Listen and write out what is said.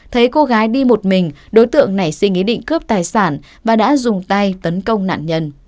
thấy cô gái đi một mình đối tượng nảy sinh ý định cướp tài sản và đã dùng tay tấn công nạn nhân